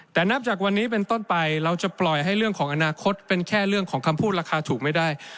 แต่นับจากวันนี้เป็นต้นไปเราจะปล่อยให้เรื่องของอนาคตเป็นแค่เรื่องของคำพูดราคาถูกไม่ได้